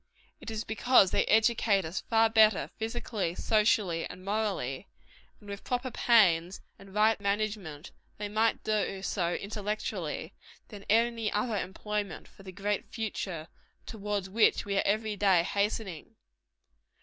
It is because they educate us far better, physically, socially and morally and with proper pains and right management, they might do so intellectually than any other employment, for the great future, towards which we are every day hastening.